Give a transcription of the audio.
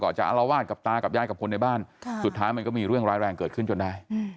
จะอารวาสกับตากับยายกับคนในบ้านสุดท้ายมันก็มีเรื่องร้ายแรงเกิดขึ้นจนได้